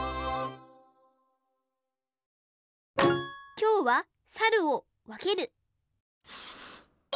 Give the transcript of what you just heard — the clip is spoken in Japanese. きょうはサルをわける！